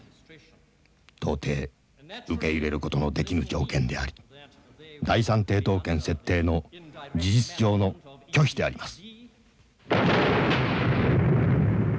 到底受け入れることのできぬ条件であり第三抵当権設定の事実上の拒否であります」。